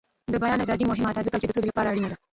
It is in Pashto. د بیان ازادي مهمه ده ځکه چې د سولې لپاره اړینه ده.